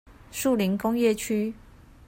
樹林工業區